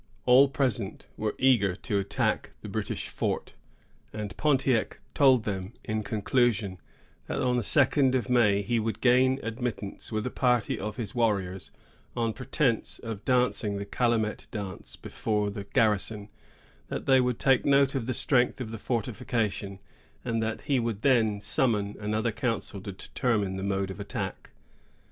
All present were eager to attack the British fort; and Pontiac told them, in conclusion, that on the second of May he would gain admittance, with a party of his warriors, on pretence of dancing the calumet dance before the garrison; that they would take note of the strength of the fortification; and that he would then summon another council to determine the mode of attack.